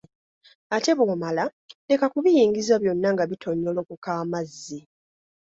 Ate bw'omala leka kubiyingiza byonna nga bitonyolokoka amazzi.